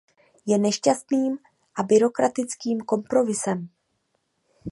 Je nešťastným a byrokratickým kompromisem.